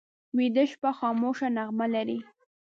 ویده شپه خاموشه نغمه لري